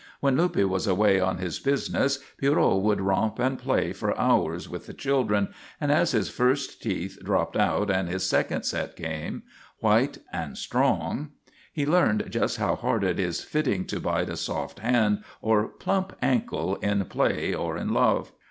When Luppe was away on his business Pierrot would romp and play for hours with the children, and as his first teeth dropped out and his second set came, white and strong, he learned just how hard it is fitting to bite a soft hand or plump ankle in play or in love.